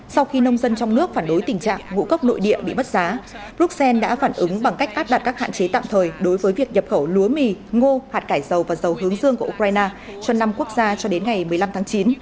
sau khi nông dân trong nước phản đối tình trạng ngũ cốc nội địa bị mất giá bruxelles đã phản ứng bằng cách áp đặt các hạn chế tạm thời đối với việc nhập khẩu lúa mì ngô hạt cải dầu và dầu hướng dương của ukraine cho năm quốc gia cho đến ngày một mươi năm tháng chín